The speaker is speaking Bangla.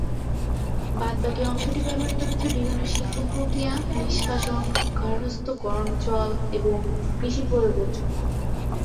বাদ বাকি অংশটি ব্যবহৃত হয়েছে বিভিন্ন শিল্প প্রক্রিয়া, নিষ্কাশন, গার্হস্থ্য গরম জল এবং কৃষি প্রয়োগের জন্য।